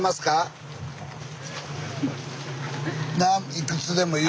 いくつでもいい。